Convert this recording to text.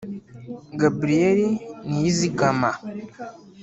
Gabriel Niyizigama